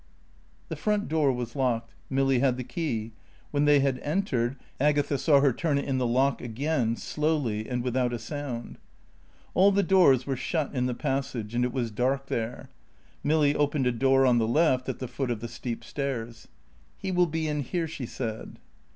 The front door was locked. Milly had the key. When they had entered, Agatha saw her turn it in the lock again, slowly and without a sound. All the doors were shut in the passage, and it was dark there. Milly opened a door on the left at the foot of the steep stairs. "He will be in here," she said.